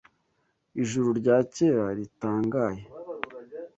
Ijuru rya kera, ritangaye